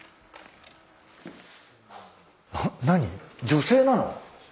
女性なの？